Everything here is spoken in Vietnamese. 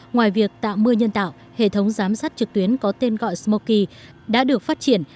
ngoài việc tạo mưa nhân tạo hệ thống giám sát trực tuyến có tên gọi smoki đã được phát triển